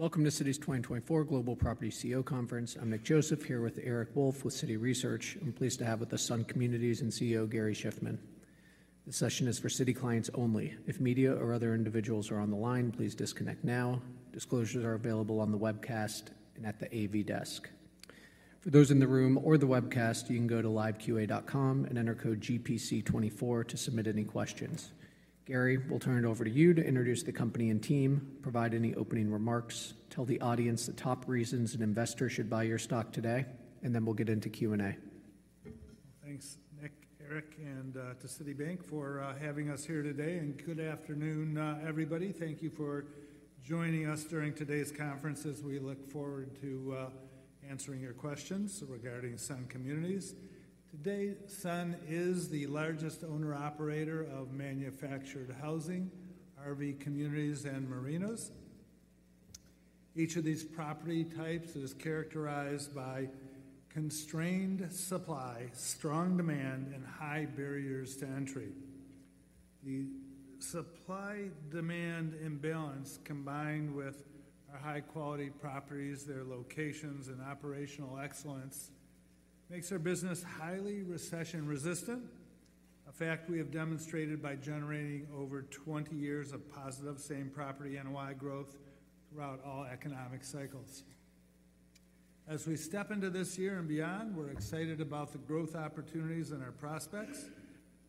Welcome to Citi's 2024 Global Property CEO Conference. I'm Nick Joseph here with Eric Wolfe with Citi Research. I'm pleased to have with us Sun Communities and CEO Gary Shiffman. This session is for Citi clients only. If media or other individuals are on the line, please disconnect now. Disclosures are available on the webcast and at the AV desk. For those in the room or the webcast, you can go to liveqa.com and enter code GPC24 to submit any questions. Gary, we'll turn it over to you to introduce the company and team, provide any opening remarks, tell the audience the top reasons an investor should buy your stock today, and then we'll get into Q&A. Well, thanks, Nick, Eric, and to Citi for having us here today. Good afternoon, everybody. Thank you for joining us during today's conference as we look forward to answering your questions regarding Sun Communities. Today, Sun is the largest owner-operator of manufactured housing, RV communities, and marinas. Each of these property types is characterized by constrained supply, strong demand, and high barriers to entry. The supply-demand imbalance, combined with our high-quality properties, their locations, and operational excellence, makes our business highly recession-resistant, a fact we have demonstrated by generating over 20 years of positive same-property NOI growth throughout all economic cycles. As we step into this year and beyond, we're excited about the growth opportunities and our prospects.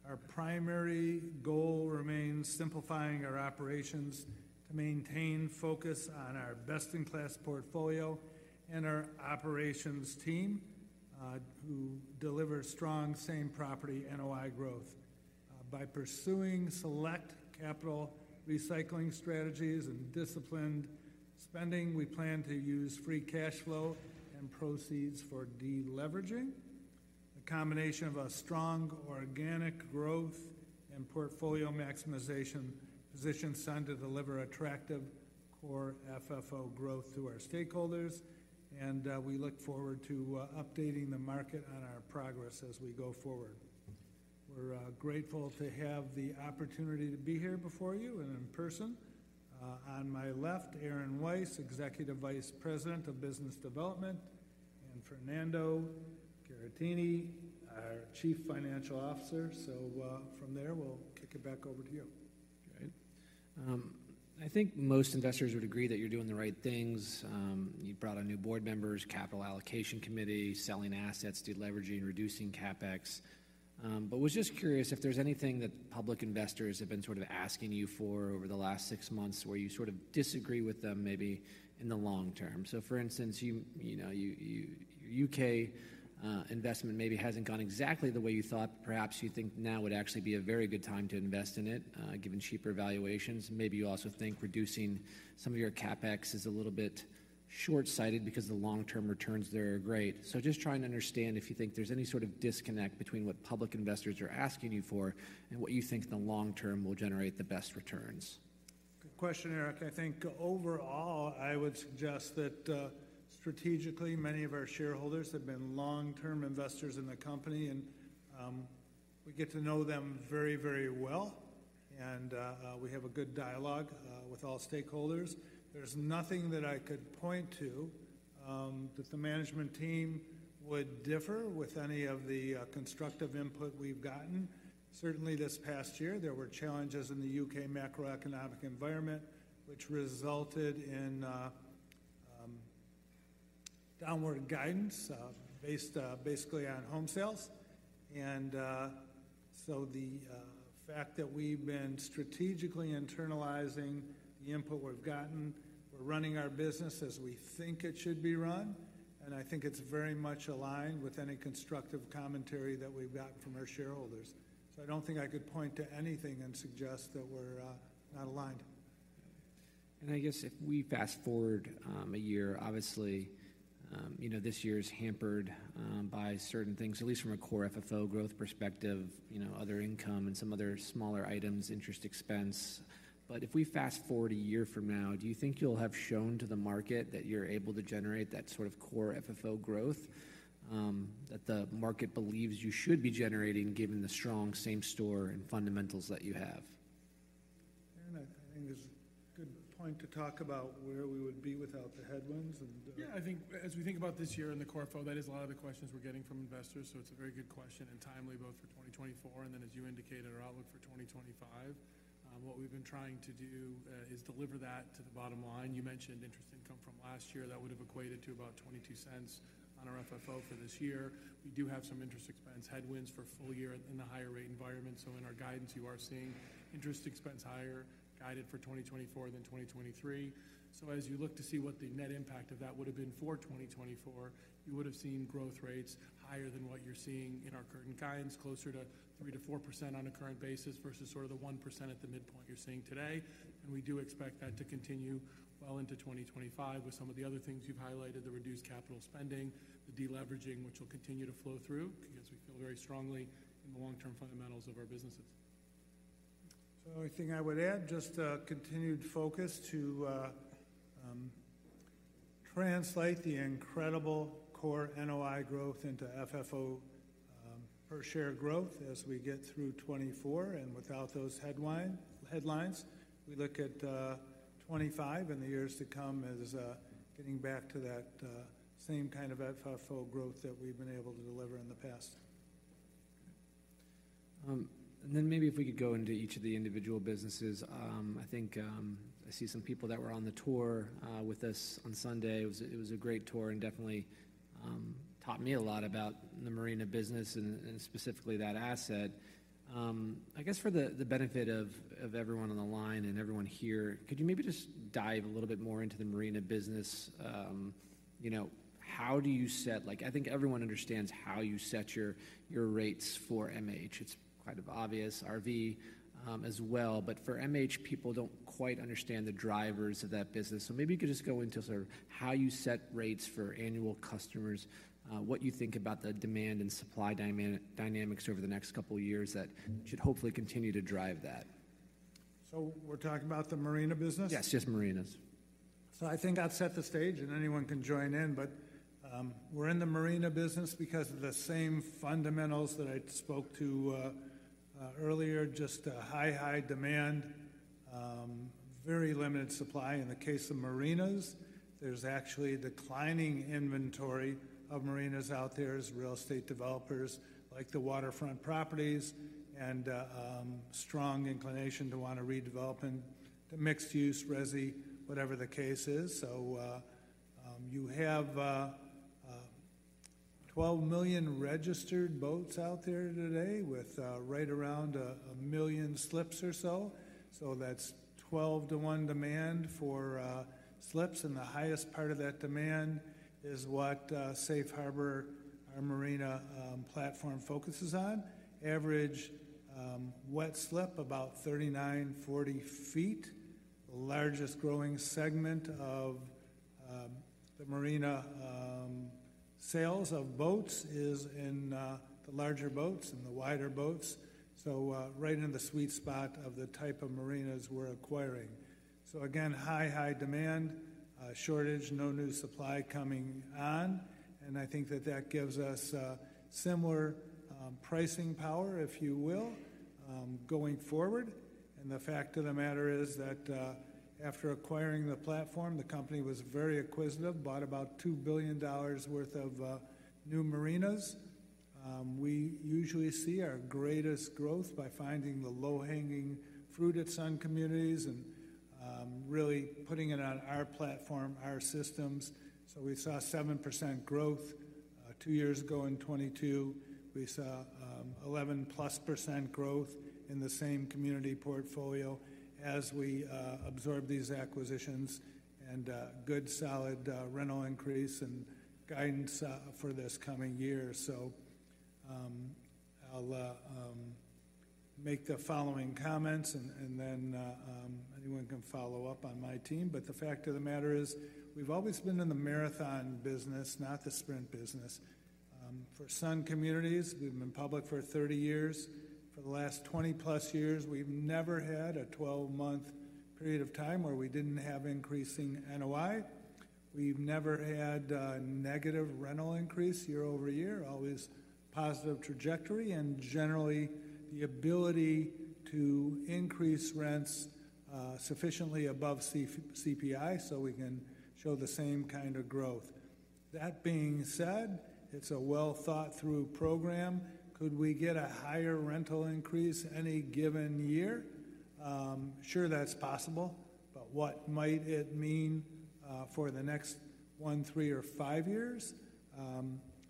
Our primary goal remains simplifying our operations to maintain focus on our best-in-class portfolio and our operations team who deliver strong same-property NOI growth. By pursuing select capital recycling strategies and disciplined spending, we plan to use free cash flow and proceeds for deleveraging. A combination of a strong organic growth and portfolio maximization positions Sun to deliver attractive core FFO growth to our stakeholders, and we look forward to updating the market on our progress as we go forward. We're grateful to have the opportunity to be here before you and in person. On my left, Aaron Weiss, Executive Vice President of Business Development, and Fernando Castro-Caratini, our Chief Financial Officer. So from there, we'll kick it back over to you. Great. I think most investors would agree that you're doing the right things. You brought on new board members, capital allocation committee, selling assets, deleveraging, reducing CapEx. But I was just curious if there's anything that public investors have been sort of asking you for over the last six months where you sort of disagree with them maybe in the long term. So, for instance, your UK investment maybe hasn't gone exactly the way you thought, but perhaps you think now would actually be a very good time to invest in it given cheaper valuations. Maybe you also think reducing some of your CapEx is a little bit short-sighted because the long-term returns there are great. So just trying to understand if you think there's any sort of disconnect between what public investors are asking you for and what you think the long term will generate the best returns. Good question, Eric. I think overall, I would suggest that strategically, many of our shareholders have been long-term investors in the company, and we get to know them very, very well, and we have a good dialogue with all stakeholders. There's nothing that I could point to that the management team would differ with any of the constructive input we've gotten. Certainly, this past year, there were challenges in the UK macroeconomic environment, which resulted in downward guidance basically on home sales. So the fact that we've been strategically internalizing the input we've gotten, we're running our business as we think it should be run, and I think it's very much aligned with any constructive commentary that we've gotten from our shareholders. So I don't think I could point to anything and suggest that we're not aligned. I guess if we fast-forward a year, obviously, this year is hampered by certain things, at least from a Core FFO growth perspective, other income, and some other smaller items, interest, expense. But if we fast-forward a year from now, do you think you'll have shown to the market that you're able to generate that sort of Core FFO growth that the market believes you should be generating given the strong same-store and fundamentals that you have? Aaron, I think there's a good point to talk about where we would be without the headwinds, and. Yeah. I think as we think about this year and the Core FFO, that is a lot of the questions we're getting from investors. So it's a very good question and timely both for 2024 and then, as you indicated, our outlook for 2025. What we've been trying to do is deliver that to the bottom line. You mentioned interest income from last year. That would have equated to about $0.22 on our FFO for this year. We do have some interest expense headwinds for a full year in the higher-rate environment. So in our guidance, you are seeing interest expense higher guided for 2024 than 2023. As you look to see what the net impact of that would have been for 2024, you would have seen growth rates higher than what you're seeing in our current guidance, closer to 3%-4% on a current basis versus sort of the 1% at the midpoint you're seeing today. We do expect that to continue well into 2025 with some of the other things you've highlighted, the reduced capital spending, the deleveraging, which will continue to flow through because we feel very strongly in the long-term fundamentals of our businesses. The only thing I would add, just continued focus to translate the incredible core NOI growth into FFO per share growth as we get through 2024. Without those headlines, we look at 2025 and the years to come as getting back to that same kind of FFO growth that we've been able to deliver in the past. Okay. And then maybe if we could go into each of the individual businesses. I think I see some people that were on the tour with us on Sunday. It was a great tour and definitely taught me a lot about the marina business and specifically that asset. I guess for the benefit of everyone on the line and everyone here, could you maybe just dive a little bit more into the marina business? How do you set? I think everyone understands how you set your rates for MH. It's quite obvious, RV as well. But for MH, people don't quite understand the drivers of that business. So maybe you could just go into sort of how you set rates for annual customers, what you think about the demand and supply dynamics over the next couple of years that should hopefully continue to drive that. So we're talking about the marina business? Yes, just marinas. So I think I've set the stage, and anyone can join in. But we're in the marina business because of the same fundamentals that I spoke to earlier, just high, high demand, very limited supply. In the case of marinas, there's actually declining inventory of marinas out there as real estate developers like the waterfront properties and strong inclination to want to redevelop into mixed-use, resi, whatever the case is. So you have 12 million registered boats out there today with right around 1 million slips or so. So that's 12-to-1 demand for slips. And the highest part of that demand is what Safe Harbor, our marina platform, focuses on. Average wet slip, about 39-40 ft. The largest growing segment of the marina sales of boats is in the larger boats and the wider boats, so right in the sweet spot of the type of marinas we're acquiring. So again, high, high demand, shortage, no new supply coming on. And I think that that gives us similar pricing power, if you will, going forward. And the fact of the matter is that after acquiring the platform, the company was very acquisitive, bought about $2 billion worth of new marinas. We usually see our greatest growth by finding the low-hanging fruit at Sun Communities and really putting it on our platform, our systems. So we saw 7% growth two years ago in 2022. We saw 11%+ growth in the same community portfolio as we absorbed these acquisitions and good, solid rental increase and guidance for this coming year. I'll make the following comments, and then anyone can follow up on my team. The fact of the matter is, we've always been in the marathon business, not the sprint business. For Sun Communities, we've been public for 30 years. For the last 20+ years, we've never had a 12-month period of time where we didn't have increasing NOI. We've never had negative rental increase year over year, always positive trajectory, and generally the ability to increase rents sufficiently above CPI so we can show the same kind of growth. That being said, it's a well-thought-through program. Could we get a higher rental increase any given year? Sure, that's possible. What might it mean for the next one, three, or five years?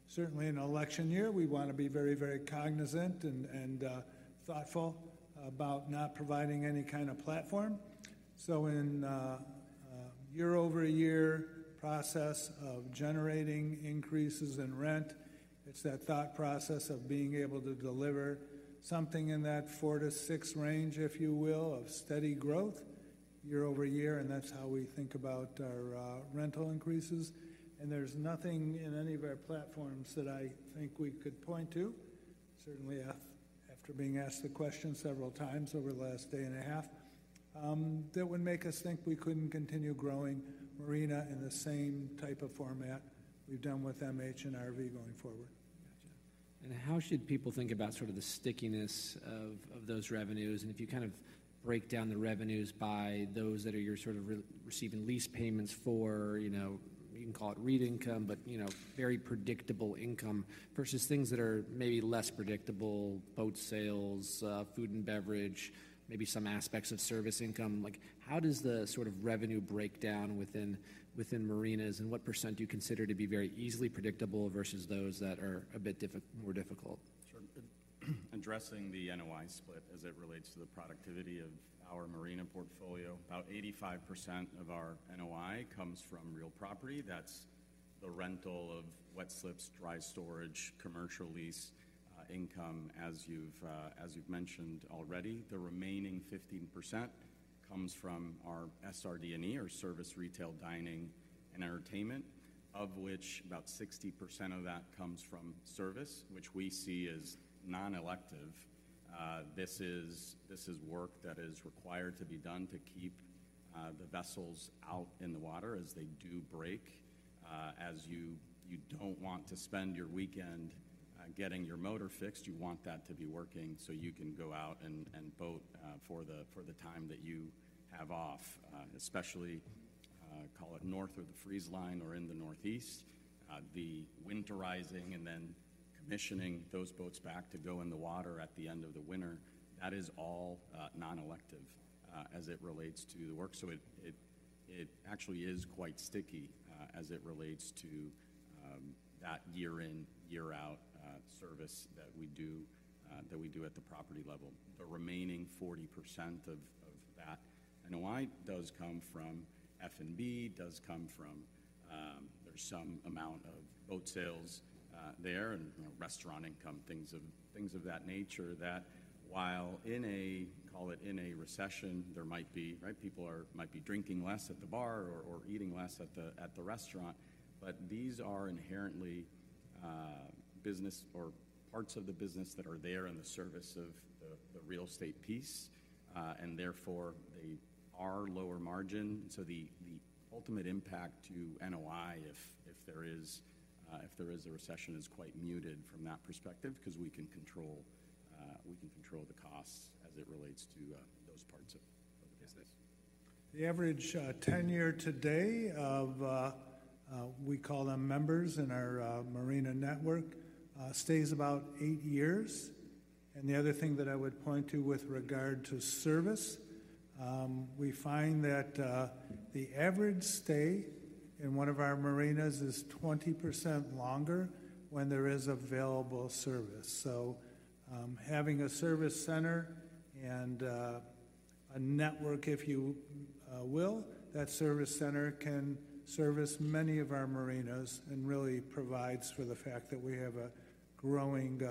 Certainly, in an election year, we want to be very, very cognizant and thoughtful about not providing any kind of platform. In a year-over-year process of generating increases in rent, it's that thought process of being able to deliver something in that four to six range, if you will, of steady growth year-over-year. That's how we think about our rental increases. There's nothing in any of our platforms that I think we could point to, certainly after being asked the question several times over the last day and a half, that would make us think we couldn't continue growing marina in the same type of format we've done with MH and RV going forward. Gotcha. And how should people think about sort of the stickiness of those revenues? And if you kind of break down the revenues by those that are you're sort of receiving lease payments for, you can call it REIT income, but very predictable income versus things that are maybe less predictable, boat sales, food and beverage, maybe some aspects of service income, how does the sort of revenue breakdown within marinas, and what % do you consider to be very easily predictable versus those that are a bit more difficult? Sure. Addressing the NOI split as it relates to the productivity of our marina portfolio, about 85% of our NOI comes from real property. That's the rental of wet slips, dry storage, commercial lease income, as you've mentioned already. The remaining 15% comes from our SRD&E, our service retail dining and entertainment, of which about 60% of that comes from service, which we see as non-elective. This is work that is required to be done to keep the vessels out in the water as they do break. As you don't want to spend your weekend getting your motor fixed, you want that to be working so you can go out and boat for the time that you have off, especially, call it north or the freeze line or in the northeast. The winterizing and then commissioning those boats back to go in the water at the end of the winter, that is all non-elective as it relates to the work. So it actually is quite sticky as it relates to that year-in, year-out service that we do at the property level. The remaining 40% of that NOI does come from F&B, does come from there's some amount of boat sales there and restaurant income, things of that nature. That while in a call it in a recession, there might be right, people might be drinking less at the bar or eating less at the restaurant. But these are inherently business or parts of the business that are there in the service of the real estate piece. And therefore, they are lower margin. The ultimate impact to NOI, if there is a recession, is quite muted from that perspective because we can control the costs as it relates to those parts of the business. The average tenure today of we call them members in our marina network stays about eight years. The other thing that I would point to with regard to service, we find that the average stay in one of our marinas is 20% longer when there is available service. Having a service center and a network, if you will, that service center can service many of our marinas and really provides for the fact that we have a growing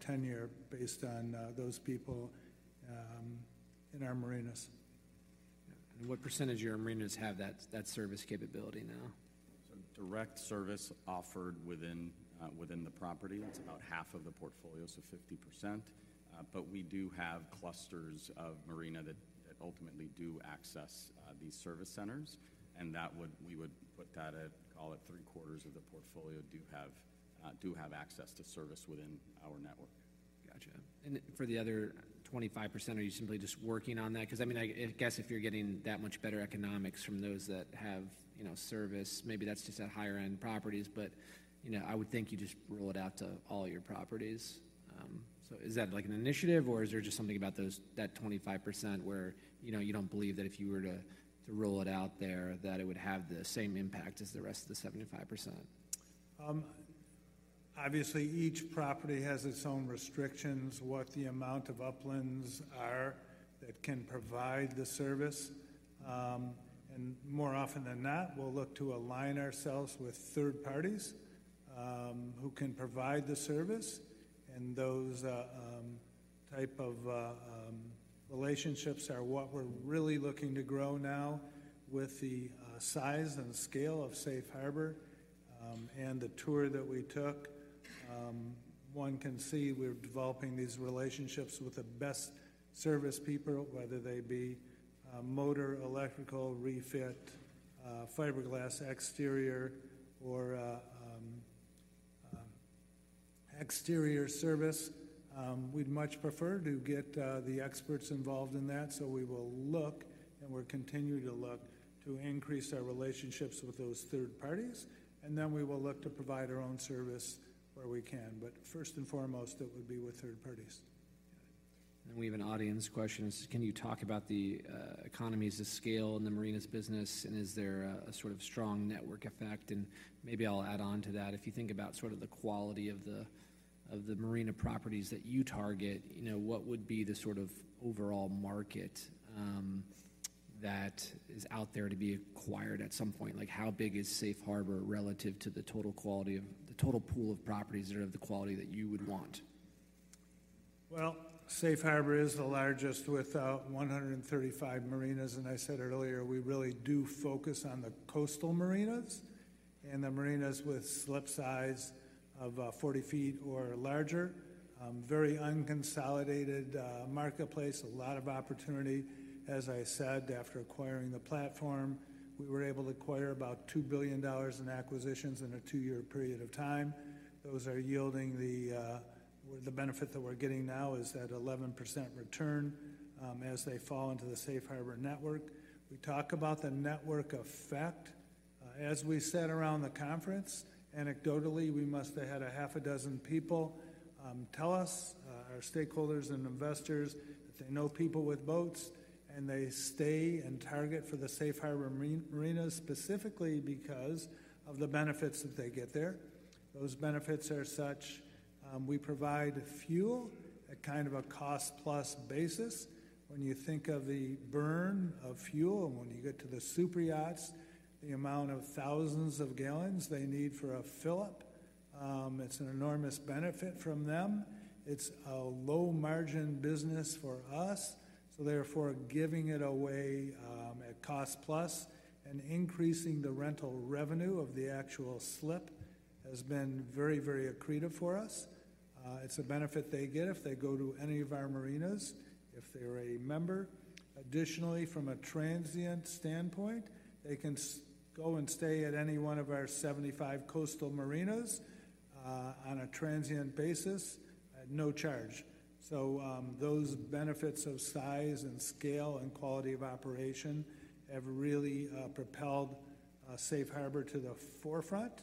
tenure based on those people in our marinas. What percentage of your marinas have that service capability now? Direct service offered within the property, it's about half of the portfolio, so 50%. But we do have clusters of marina that ultimately do access these service centers. We would put that at call it three-quarters of the portfolio do have access to service within our network. Gotcha. And for the other 25%, are you simply just working on that? Because I mean, I guess if you're getting that much better economics from those that have service, maybe that's just at higher-end properties. But I would think you just roll it out to all your properties. So is that like an initiative, or is there just something about that 25% where you don't believe that if you were to roll it out there, that it would have the same impact as the rest of the 75%? Obviously, each property has its own restrictions, what the amount of uplands are that can provide the service. More often than not, we'll look to align ourselves with third parties who can provide the service. Those type of relationships are what we're really looking to grow now with the size and scale of Safe Harbor and the tour that we took. One can see we're developing these relationships with the best service people, whether they be motor, electrical, refit, fiberglass exterior, or exterior service. We'd much prefer to get the experts involved in that. We will look, and we'll continue to look, to increase our relationships with those third parties. Then we will look to provide our own service where we can. But first and foremost, it would be with third parties. Got it. And then we have an audience question. It says, "Can you talk about the economies, the scale in the marina's business, and is there a sort of strong network effect?" And maybe I'll add on to that. If you think about sort of the quality of the marina properties that you target, what would be the sort of overall market that is out there to be acquired at some point? How big is Safe Harbor relative to the total quality of the total pool of properties that are of the quality that you would want? Well, Safe Harbor is the largest with 135 marinas. I said earlier, we really do focus on the coastal marinas and the marinas with slip size of 40 ft or larger. Very unconsolidated marketplace, a lot of opportunity. As I said, after acquiring the platform, we were able to acquire about $2 billion in acquisitions in a two-year period of time. Those are yielding the benefit that we're getting now is that 11% return as they fall into the Safe Harbor network. We talk about the network effect. As we said around the conference, anecdotally, we must have had a half a dozen people tell us, our stakeholders and investors, that they know people with boats, and they stay and target for the Safe Harbor marinas specifically because of the benefits that they get there. Those benefits are such we provide fuel at kind of a cost-plus basis. When you think of the burn of fuel and when you get to the superyachts, the amount of thousands of gallons they need for a fill-up, it's an enormous benefit from them. It's a low-margin business for us. So therefore, giving it away at cost-plus and increasing the rental revenue of the actual slip has been very, very accretive for us. It's a benefit they get if they go to any of our marinas, if they're a member. Additionally, from a transient standpoint, they can go and stay at any one of our 75 coastal marinas on a transient basis at no charge. Those benefits of size and scale and quality of operation have really propelled Safe Harbor to the forefront.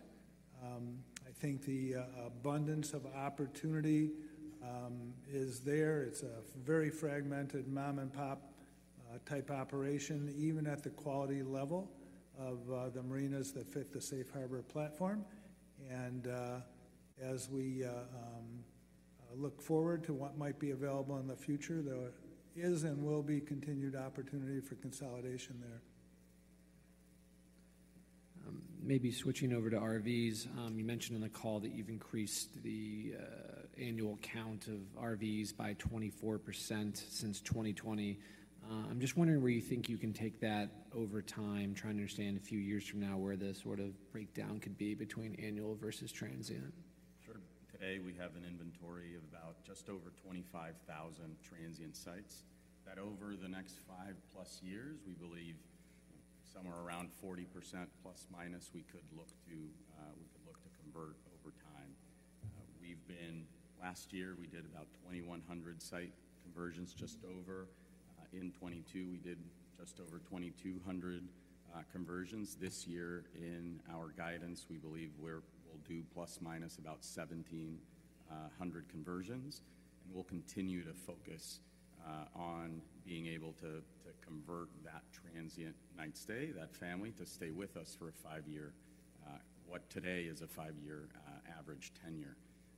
I think the abundance of opportunity is there. It's a very fragmented mom-and-pop type operation, even at the quality level of the marinas that fit the Safe Harbor platform. As we look forward to what might be available in the future, there is and will be continued opportunity for consolidation there. Maybe switching over to RVs. You mentioned in the call that you've increased the annual count of RVs by 24% since 2020. I'm just wondering where you think you can take that over time, trying to understand a few years from now where this sort of breakdown could be between annual versus transient. Sure. Today, we have an inventory of about just over 25,000 transient sites. That over the next 5+ years, we believe somewhere around 40% ± we could look to convert over time. Last year, we did about 2,100 site conversions just over. In 2022, we did just over 2,200 conversions. This year, in our guidance, we believe we'll do ± about 1,700 conversions. And we'll continue to focus on being able to convert that transient night stay, that family, to stay with us for a five year what today is a five year average tenure.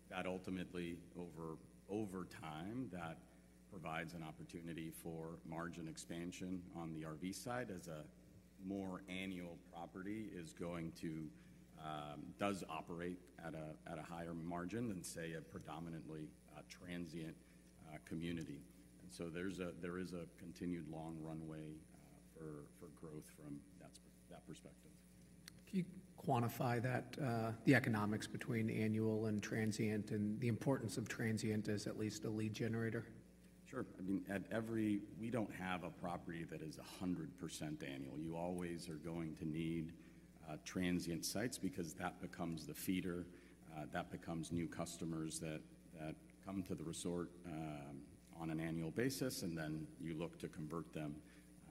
That ultimately, over time, that provides an opportunity for margin expansion on the RV side as a more annual property is going to does operate at a higher margin than, say, a predominantly transient community. And so there is a continued long runway for growth from that perspective. Can you quantify the economics between annual and transient and the importance of transient as at least a lead generator? Sure. I mean, we don't have a property that is 100% annual. You always are going to need transient sites because that becomes the feeder. That becomes new customers that come to the resort on an annual basis. And then you look to convert them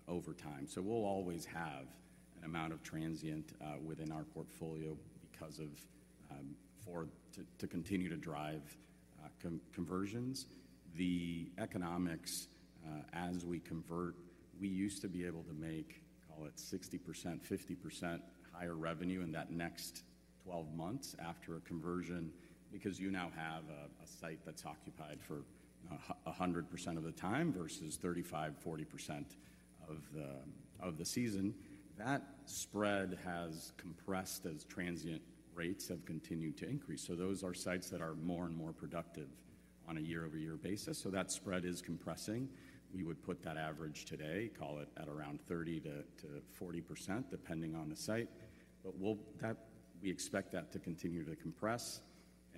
over time. So we'll always have an amount of transient within our portfolio to continue to drive conversions. The economics as we convert, we used to be able to make, call it 60%, 50% higher revenue in that next 12 months after a conversion because you now have a site that's occupied for 100% of the time versus 35%-40% of the season. That spread has compressed as transient rates have continued to increase. So those are sites that are more and more productive on a year-over-year basis. So that spread is compressing. We would put that average today, call it at around 30%-40%, depending on the site. But we expect that to continue to compress.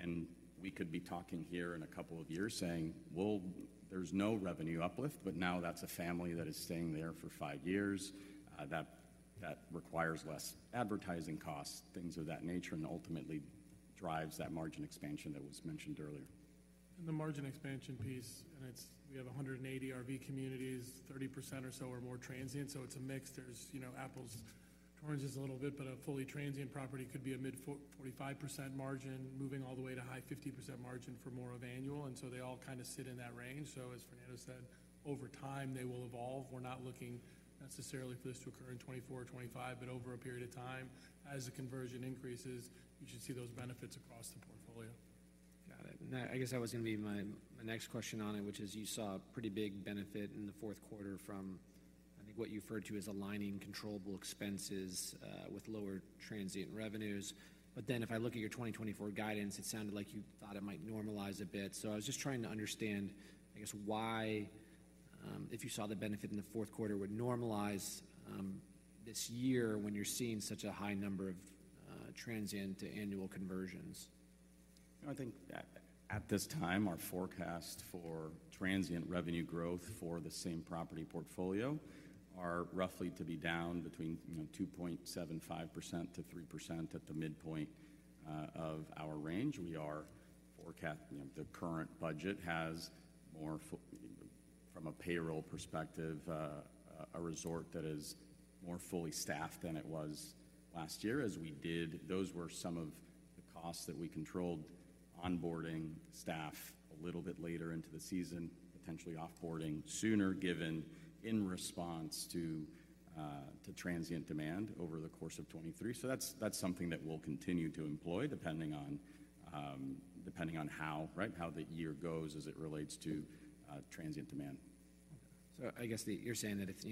And we could be talking here in a couple of years saying, "Well, there's no revenue uplift." But now that's a family that is staying there for five years. That requires less advertising costs, things of that nature, and ultimately drives that margin expansion that was mentioned earlier. The margin expansion piece, and we have 180 RV communities, 30% or so are more transient. So it's a mix. Transience is a little bit, but a fully transient property could be a mid-45% margin, moving all the way to high 50% margin for more of annual. And so they all kind of sit in that range. So as Fernando said, over time, they will evolve. We're not looking necessarily for this to occur in 2024 or 2025, but over a period of time, as the conversion increases, you should see those benefits across the portfolio. Got it. And I guess that was going to be my next question on it, which is you saw a pretty big benefit in the fourth quarter from, I think, what you referred to as aligning controllable expenses with lower transient revenues. But then if I look at your 2024 guidance, it sounded like you thought it might normalize a bit. So I was just trying to understand, I guess, why if you saw the benefit in the fourth quarter would normalize this year when you're seeing such a high number of transient to annual conversions? I think at this time, our forecast for transient revenue growth for the same property portfolio are roughly to be down between 2.75%-3% at the midpoint of our range. The current budget has more, from a payroll perspective, a resort that is more fully staffed than it was last year as we did. Those were some of the costs that we controlled onboarding staff a little bit later into the season, potentially offboarding sooner given in response to transient demand over the course of 2023. So that's something that we'll continue to employ depending on how the year goes as it relates to transient demand. I guess you're saying that if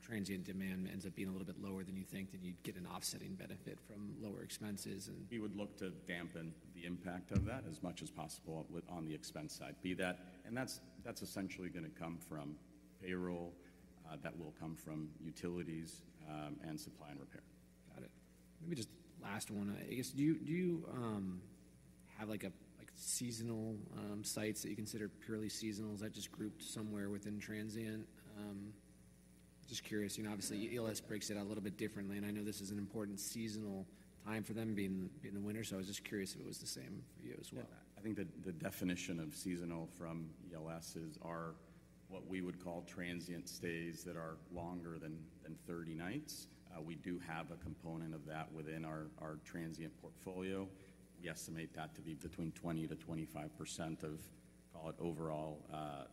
transient demand ends up being a little bit lower than you think, then you'd get an offsetting benefit from lower expenses and. We would look to dampen the impact of that as much as possible on the expense side, be that, and that's essentially going to come from payroll. That will come from utilities, supply, and repair. Got it. Maybe just last one. I guess, do you have seasonal sites that you consider purely seasonal? Is that just grouped somewhere within transient? Just curious. Obviously, ELS breaks it out a little bit differently. And I know this is an important seasonal time for them being in the winter. So I was just curious if it was the same for you as well. Yeah. I think the definition of seasonal from ELS is what we would call transient stays that are longer than 30 nights. We do have a component of that within our transient portfolio. We estimate that to be between 20%-25% of, call it, overall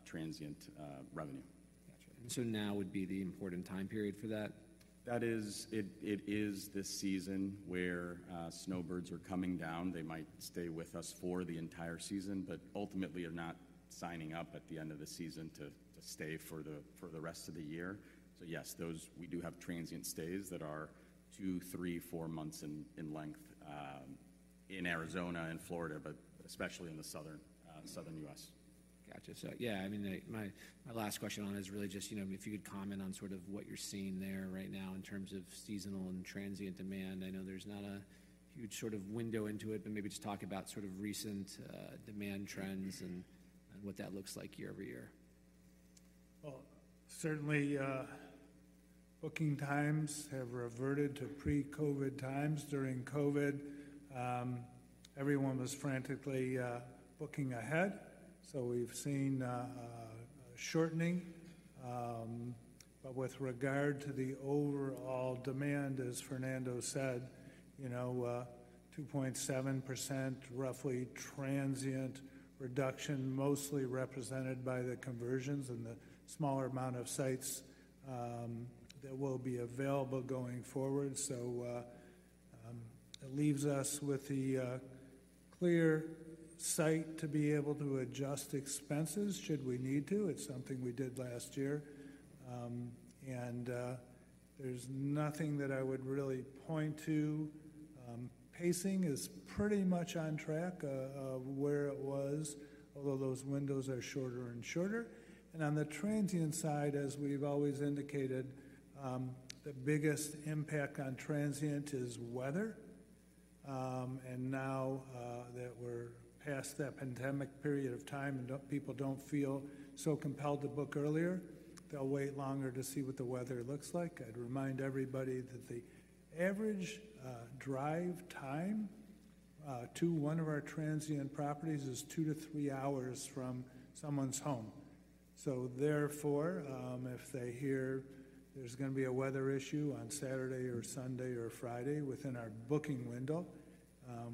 transient revenue. Gotcha. And so now would be the important time period for that? That is this season where snowbirds are coming down. They might stay with us for the entire season, but ultimately are not signing up at the end of the season to stay for the rest of the year. So yes, we do have transient stays that are two, three, four months in length in Arizona and Florida, but especially in the southern U.S. Gotcha. So yeah, I mean, my last question on it is really just if you could comment on sort of what you're seeing there right now in terms of seasonal and transient demand. I know there's not a huge sort of window into it, but maybe just talk about sort of recent demand trends and what that looks like year-over-year. Well, certainly, booking times have reverted to pre-COVID times. During COVID, everyone was frantically booking ahead. So we've seen a shortening. But with regard to the overall demand, as Fernando said, 2.7% roughly transient reduction, mostly represented by the conversions and the smaller amount of sites that will be available going forward. So it leaves us with the clear slate to be able to adjust expenses should we need to. It's something we did last year. And there's nothing that I would really point to. Pacing is pretty much on track of where it was, although those windows are shorter and shorter. And on the transient side, as we've always indicated, the biggest impact on transient is weather. And now that we're past that pandemic period of time and people don't feel so compelled to book earlier, they'll wait longer to see what the weather looks like. I'd remind everybody that the average drive time to one of our transient properties is two-three hours from someone's home. So therefore, if they hear there's going to be a weather issue on Saturday or Sunday or Friday within our booking window,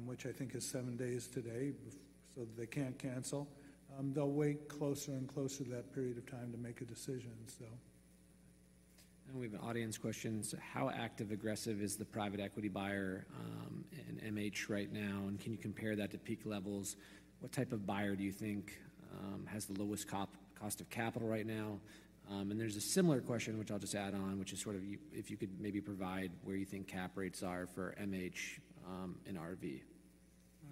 which I think is seven days today, so they can't cancel, they'll wait closer and closer to that period of time to make a decision, so. We have an audience question. So how active-aggressive is the private equity buyer in MH right now? And can you compare that to peak levels? What type of buyer do you think has the lowest cost of capital right now? And there's a similar question, which I'll just add on, which is sort of if you could maybe provide where you think cap rates are for MH and RV.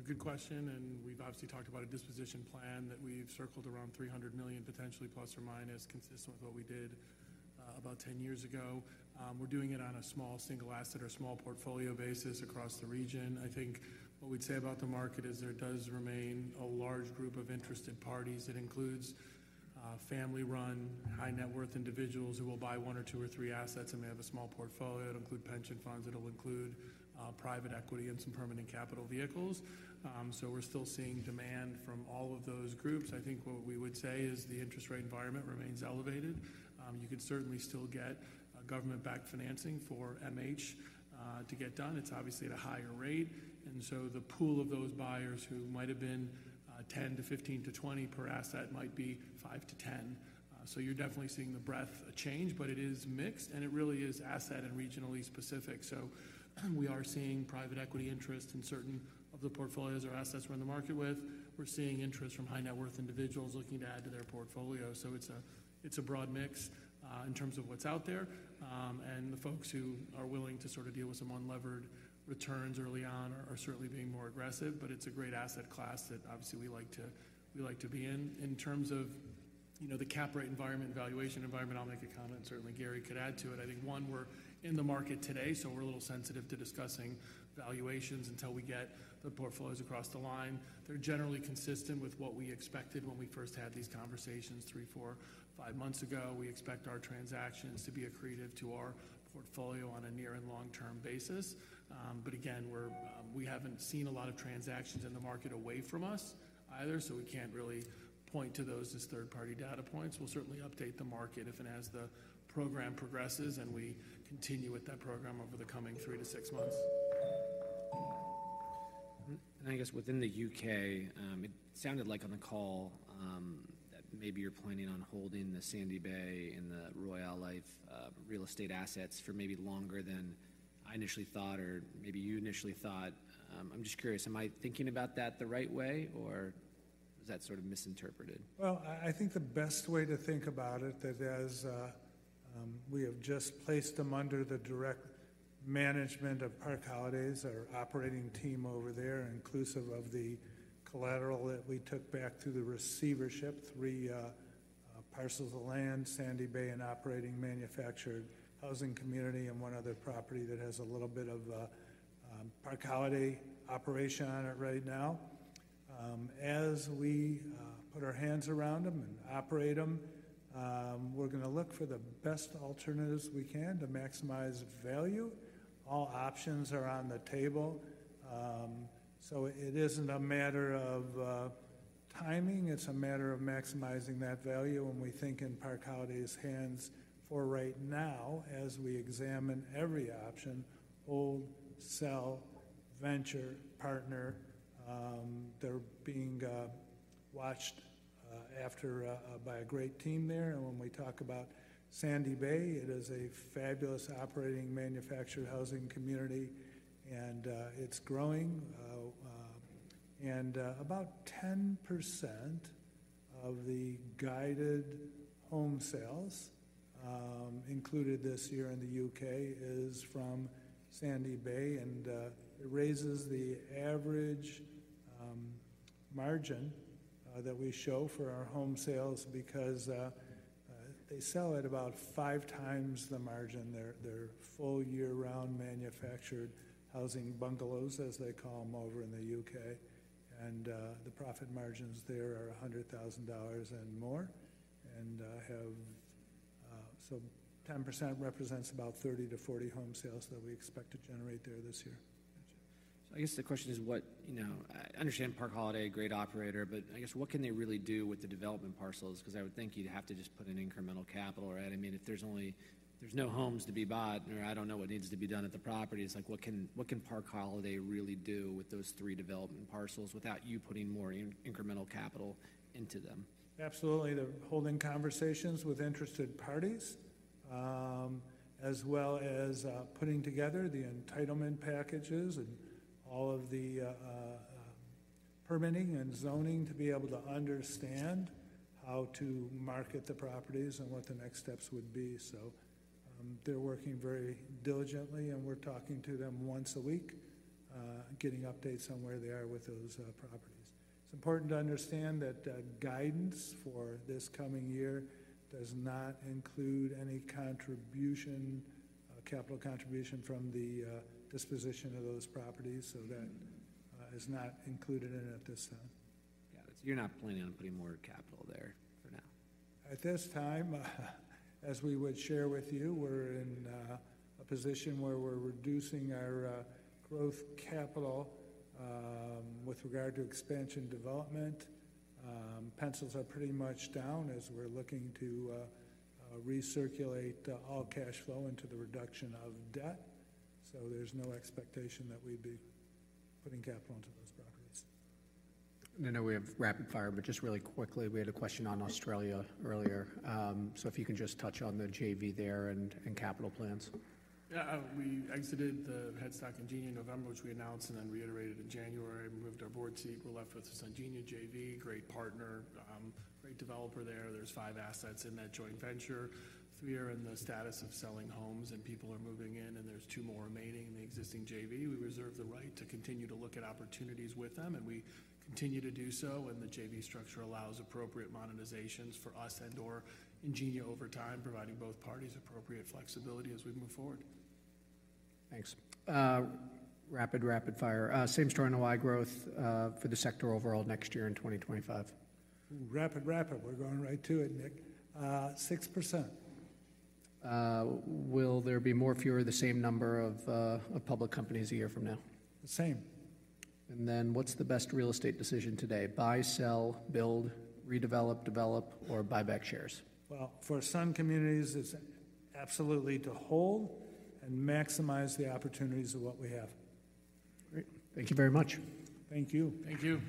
Good question. We've obviously talked about a disposition plan that we've circled around $300 million potentially ±, consistent with what we did about 10 years ago. We're doing it on a small single asset or small portfolio basis across the region. I think what we'd say about the market is there does remain a large group of interested parties. It includes family-run, high-net-worth individuals who will buy one or two or three assets. And they have a small portfolio. It'll include pension funds. It'll include private equity and some permanent capital vehicles. So we're still seeing demand from all of those groups. I think what we would say is the interest rate environment remains elevated. You could certainly still get government-backed financing for MH to get done. It's obviously at a higher rate. So the pool of those buyers who might have been 10-15-20 per asset might be 5-10. You're definitely seeing the breadth change, but it is mixed. It really is asset and regionally specific. We are seeing private equity interest in certain of the portfolios or assets we're in the market with. We're seeing interest from high-net-worth individuals looking to add to their portfolio. It's a broad mix in terms of what's out there. The folks who are willing to sort of deal with some unlevered returns early on are certainly being more aggressive. But it's a great asset class that obviously we like to be in. In terms of the cap rate environment, valuation environment, I'll make a comment. Certainly, Gary could add to it. I think, one, we're in the market today. So we're a little sensitive to discussing valuations until we get the portfolios across the line. They're generally consistent with what we expected when we first had these conversations three, four, five months ago. We expect our transactions to be accretive to our portfolio on a near and long-term basis. But again, we haven't seen a lot of transactions in the market away from us either. So we can't really point to those as third-party data points. We'll certainly update the market if and as the program progresses and we continue with that program over the coming three to six months. I guess within the U.K., it sounded like on the call that maybe you're planning on holding the Sandy Bay and the Royale Life real estate assets for maybe longer than I initially thought or maybe you initially thought. I'm just curious. Am I thinking about that the right way, or was that sort of misinterpreted? Well, I think the best way to think about it, that as we have just placed them under the direct management of Park Holidays, our operating team over there, inclusive of the collateral that we took back through the receivership, three parcels of land, Sandy Bay and operating manufactured housing community, and one other property that has a little bit of Park Holidays operation on it right now. As we put our hands around them and operate them, we're going to look for the best alternatives we can to maximize value. All options are on the table. It isn't a matter of timing. It's a matter of maximizing that value. We think in Park Holidays' hands for right now, as we examine every option, hold, sell, venture, partner. They're being watched by a great team there. When we talk about Sandy Bay, it is a fabulous operating manufactured housing community. It's growing. About 10% of the guided home sales included this year in the UK is from Sandy Bay. It raises the average margin that we show for our home sales because they sell at about five times the margin. They're full year-round manufactured housing bungalows, as they call them over in the UK. The profit margins there are $100,000 and more. So 10% represents about 30-40 home sales that we expect to generate there this year. Gotcha. So I guess the question is what I understand Park Holidays, great operator, but I guess what can they really do with the development parcels? Because I would think you'd have to just put in incremental capital, right? I mean, if there's no homes to be bought or I don't know what needs to be done at the properties, what can Park Holidays really do with those three development parcels without you putting more incremental capital into them? Absolutely. They're holding conversations with interested parties as well as putting together the entitlement packages and all of the permitting and zoning to be able to understand how to market the properties and what the next steps would be. So they're working very diligently. And we're talking to them once a week, getting updates on where they are with those properties. It's important to understand that guidance for this coming year does not include any capital contribution from the disposition of those properties. So that is not included in it at this time. Yeah. You're not planning on putting more capital there for now? At this time, as we would share with you, we're in a position where we're reducing our growth capital with regard to expansion development. Pencils are pretty much down as we're looking to recirculate all cash flow into the reduction of debt. There's no expectation that we'd be putting capital into those properties. I know we have rapid fire, but just really quickly, we had a question on Australia earlier. If you can just touch on the JV there and capital plans. Yeah. We exited the Ingenia in November, which we announced and then reiterated in January, moved our board seat. We're left with the SunGenia JV, great partner, great developer there. There's five assets in that joint venture. Three are in the status of selling homes, and people are moving in. And there's two more remaining in the existing JV. We reserve the right to continue to look at opportunities with them. And we continue to do so. And the JV structure allows appropriate monetizations for us and/or Ingenia over time, providing both parties appropriate flexibility as we move forward. Thanks. Rapid, rapid fire. Same story in NOI growth for the sector overall next year in 2025? Rapid, rapid. We're going right to it, Nick. 6%. Will there be more or fewer of the same number of public companies a year from now? The same. Then what's the best real estate decision today? Buy, sell, build, redevelop, develop, or buy back shares? Well, for Sun Communities, it's absolutely to hold and maximize the opportunities of what we have. Great. Thank you very much. Thank you. Thank you.